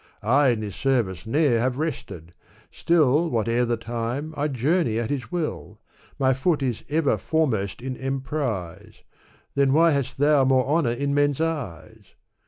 I in his service ne'er have rested, — still, Whate'er the time, I journey at his will ; My foot is ever foremost in emprise ; Then why hast thou more honor in men's eyes?